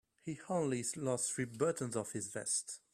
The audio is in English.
He only lost three buttons off his vest.